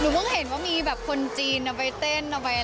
หนูมีเงียบว่ามีคนจีนเอาไปเต้น